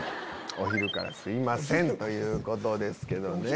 「お昼からすいません」ということですけどね。